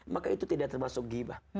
maka itu tidak termasuk gibah